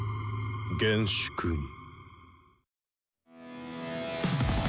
厳粛に。